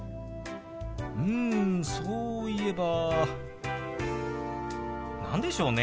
うんそういえば何でしょうね。